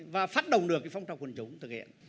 và phát động được cái phong trọng quân chủng thực hiện